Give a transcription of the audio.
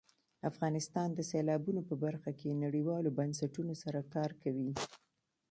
افغانستان د سیلابونو په برخه کې نړیوالو بنسټونو سره کار کوي.